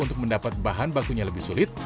untuk mendapat bahan bakunya lebih sulit